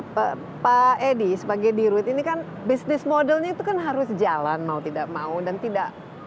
pak edi sebagai dirut ini kan bisnis modelnya itu kan harus jalan mau tidak mau dan tidak